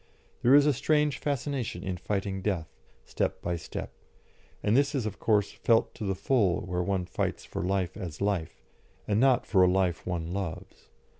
There is a strange fascination in fighting Death, step by step, and this is of course felt to the full where one fights for life as life, and not for a life one loves.